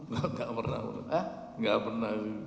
gak pernah gak pernah